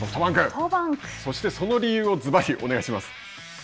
そして、その理由をずばりお願いします。